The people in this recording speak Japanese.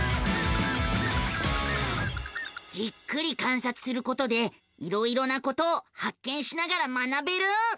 じっくり観察することでいろいろなことを発見しながら学べる。